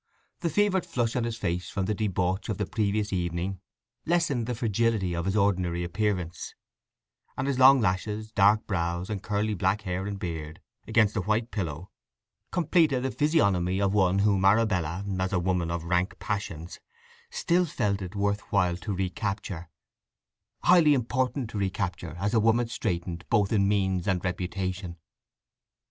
The fevered flush on his face from the debauch of the previous evening lessened the fragility of his ordinary appearance, and his long lashes, dark brows, and curly back hair and beard against the white pillow completed the physiognomy of one whom Arabella, as a woman of rank passions, still felt it worth while to recapture, highly important to recapture as a woman straitened both in means and in reputation.